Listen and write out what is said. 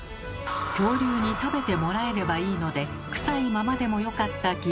恐竜に食べてもらえればいいのでクサいままでもよかったぎんなん。